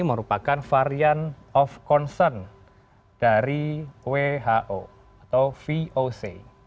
merupakan varian of concern dari who atau voc